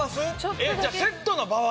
じゃあセットの場合。